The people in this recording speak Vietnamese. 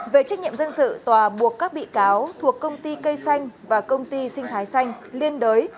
công ty trách nhiệm hữu hạn thuộc công ty cây xanh và công ty sinh thái xanh liên đới